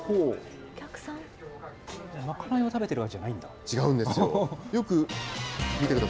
賄いを食べてるわけじゃないんだ。